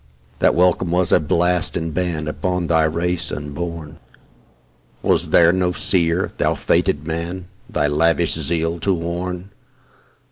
That welcome was a blast and ban Upon thy race unborn. Was there no seer, thou fated Man! Thy lavish zeal to warn?